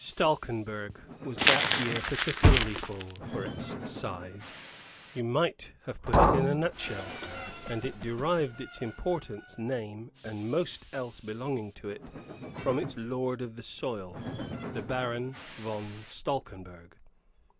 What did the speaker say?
Stalkenberg was that year particularly full, for its size you might have put it in a nutshell; and it derived its importance, name, and most else belonging to it, from its lord of the soil, the Baron von Stalkenberg.